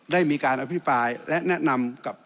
ได้มีการอภิปรายและแนะนำกับ